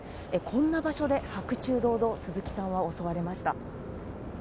こんな場所で白昼堂々、鈴木さんは襲われました。